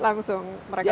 langsung mereka patuh